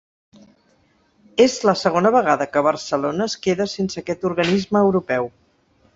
És la segona vegada que Barcelona es queda sense aquest organisme europeu.